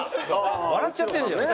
笑っちゃってるじゃん。